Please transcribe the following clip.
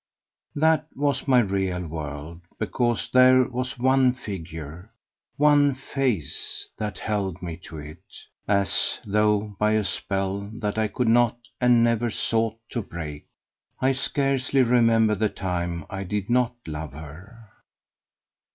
That was my real world, because there was one figure, one face, that held me to it, as though by a spell that I could not, and never sought to break. I scarcely remember the time I did not love her.